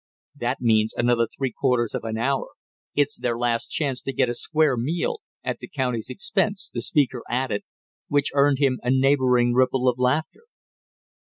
"That means another three quarters of an hour, it's their last chance to get a square meal at the county's expense!" the speaker added, which earned him a neighboring ripple of laughter.